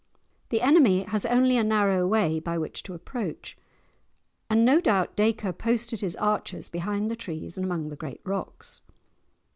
The enemy has only a narrow way by which to approach, and no doubt Dacre posted his archers behind the trees and among the great rocks.